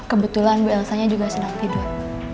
kebetulan bu elsanya juga sedang tidur